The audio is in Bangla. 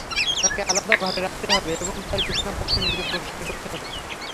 তাকে আলাদা ঘরে রাখতে হবে এবং তার বিছানাপত্র নিয়মিত পরিষ্কার করতে হবে।